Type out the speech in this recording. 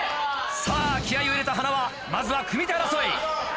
さぁ気合を入れた塙まずは組み手争い。